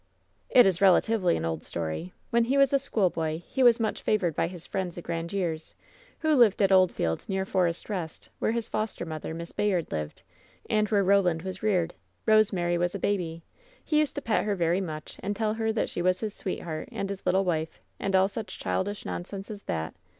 "It is relatively an old story. When he was a school boy he was much favored by his friends the Grandieres, who lived at Oldfield, near Forest Rest, where his foster mother, Miss Bayard, lived, and where Roland was reared. Rosemary was a baby. He used to pet her very much and tell her that she was his sweetheart, and his little wife, and all such childish nonsense as that.